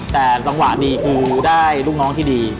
แต่จังหวะนี้คือได้ลูกน้องที่ดี